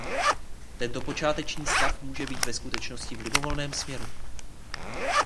Tento počáteční stav může být ve skutečnosti v libovolném směru.